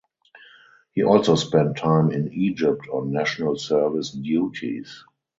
He also spent time in Egypt on National Service duties.